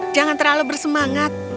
jangan terlalu bersemangat